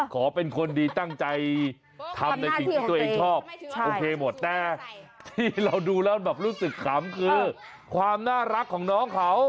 ขอเป็นคนดีตั้งใจทำในสิ่งที่ตัวเองชอบโอเคหมดแต่ที่เราดูแล้วแบบรู้สึกขำคือความน่ารักของน้องเขา